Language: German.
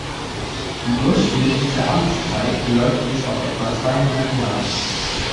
Die durchschnittliche Amtszeit beläuft sich auf etwa zweieinhalb Jahre.